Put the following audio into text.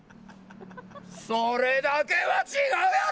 それだけは違うやろ。